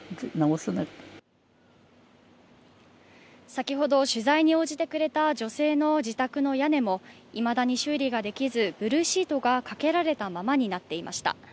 先ほど、取材に応じてくれた女性の自宅の屋根もいまだに修理ができず、ブルーシートがかけられたままになっていました。